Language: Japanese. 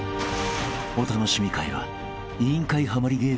［お楽しみ会は『委員会』はまり